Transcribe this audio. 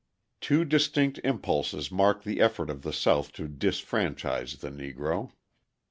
Two distinct impulses mark the effort of the South to disfranchise the Negro.